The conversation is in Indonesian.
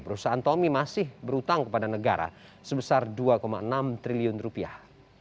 perusahaan tommy masih berhutang kepada negara sebesar dua enam triliun rupiah